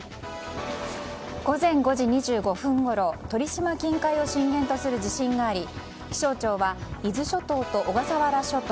午前５時２５分ごろ鳥島近海を震源とする地震があり気象庁は伊豆諸島と小笠原諸島